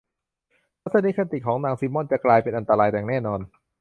ทัศนคติของนางซิมมอนส์จะกลายเป็นอันตรายอย่างแน่นอน